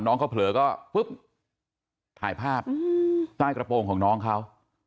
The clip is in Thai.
น้องเขาเผลอก็ปุ๊บถ่ายภาพใต้กระโปรงของน้องเขา